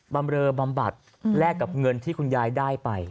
ำเรอบำบัดแลกกับเงินที่คุณยายได้ไป